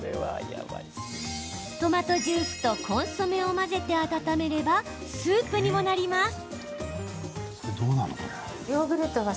トマトジュースとコンソメを混ぜて温めればスープにもなります。